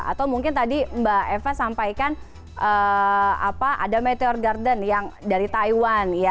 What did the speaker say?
atau mungkin tadi mbak eva sampaikan ada meteor garden yang dari taiwan